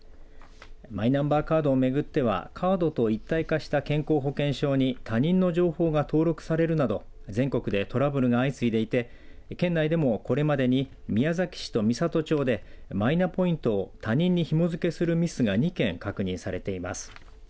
マイナンバーカードを巡ってはカードと一体化した健康保険証に他人の情報が登録されるなど全国でトラブルが相次いでいて県内でもこれまでに宮崎市と美郷町でマイナポイントを他人にひも付けするミスが２件確認されています。